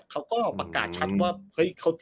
เขาก็ประกาศชัดว่า